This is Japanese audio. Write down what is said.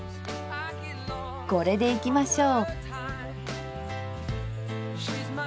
これでいきましょう。